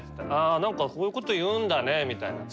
「あ何かこういうこと言うんだね」みたいな。